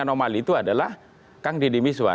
anomali itu adalah kang deddy mishwar